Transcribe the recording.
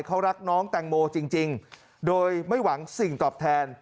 เขารักน้องแตงโมจริงโดยไม่หวังสิ่งตอบแทน